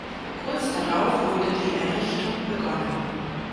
Kurz darauf wurde die Errichtung begonnen.